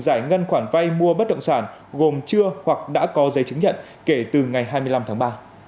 giải ngân khoản vay mua bất động sản gồm chưa hoặc đã có giấy chứng nhận kể từ ngày hai mươi năm tháng ba